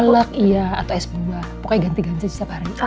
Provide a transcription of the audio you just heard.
kelak iya atau es buah pokoknya ganti ganti setiap hari